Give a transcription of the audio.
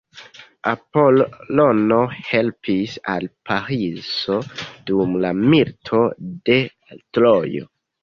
Apolono helpis al Pariso dum la Milito de Trojo.